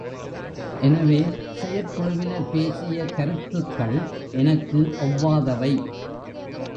எனவே, செயற்குழுவினர் பேசிய கருத்துக்கள் எனக்கு ஒவ்வாதவை.